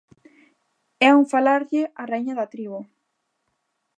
É un falarlle á raíña da tribo.